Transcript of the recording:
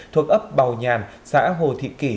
thuộc ấp bào nhàn xã hồ thị kỷ